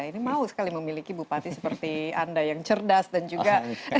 ini mau sekali memiliki bupati seperti anda yang cerdas dan juga